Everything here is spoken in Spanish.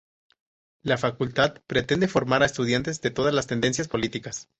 La facultad pretende formar a estudiantes de todas las tendencias políticas.